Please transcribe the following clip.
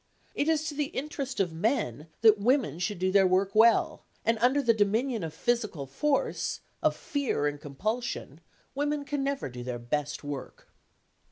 It is to the interest of men that women should do their work well, and under the dominion of physical force, of fear and compulsion, women can never do their best work.